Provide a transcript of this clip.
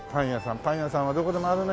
パン屋さんはどこでもあるね。